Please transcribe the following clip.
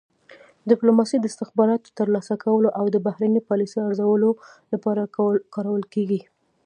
ډیپلوماسي د استخباراتو ترلاسه کولو او د بهرنۍ پالیسۍ ارزولو لپاره کارول کیږي